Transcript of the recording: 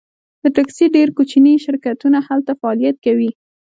د ټکسي ډیر کوچني شرکتونه هلته فعالیت کوي